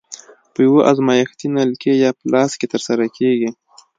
په یوې ازمایښتي نلکې یا فلاسک کې ترسره کیږي.